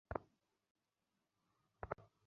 কিছু ছবি তোলার জন্য যাচ্ছি।